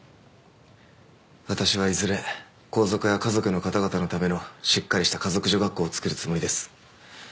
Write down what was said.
私はいずれ皇族や華族の方々のためのしっかりした華族女学校を作るつもりです。